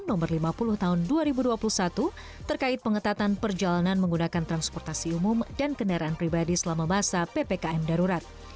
nomor lima puluh tahun dua ribu dua puluh satu terkait pengetatan perjalanan menggunakan transportasi umum dan kendaraan pribadi selama masa ppkm darurat